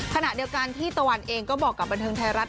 ขณะเดียวกันที่ตะวันเองก็บอกกับบันเทิงไทยรัฐ